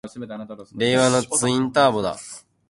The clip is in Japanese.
令和のツインターボだ！